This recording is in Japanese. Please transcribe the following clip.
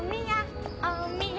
おみや！